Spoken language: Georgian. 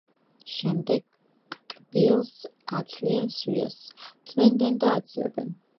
შემდეგ ტკბილს აცლიან სვიას, წმენდენ და აცივებენ.